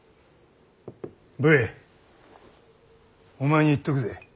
武衛お前に言っとくぜ。